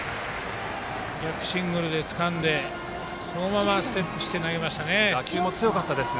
逆シングルでつかんでそのままステップして投げました。